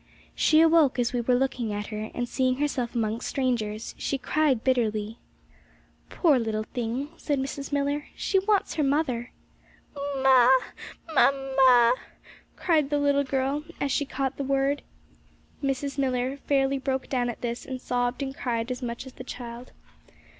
She awoke as we were looking at her, and seeing herself amongst strangers, she cried bitterly. 'Poor little thing!' said Mrs. Millar. 'She wants her mother.' 'Mam ma! Ma ma!' cried the little girl, as she caught the word. Mrs. Millar fairly broke down at this, and sobbed and cried as much as the child.